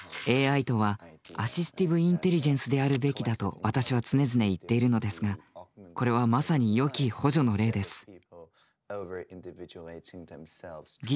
「ＡＩ」とはアシスティブインテリジェンスであるべきだと私は常々言っているのですがこれはまさによき「補助」の例です。